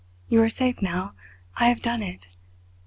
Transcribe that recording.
You are safe now. I have done it!